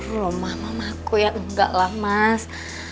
loh mama aku ya enggaklah mas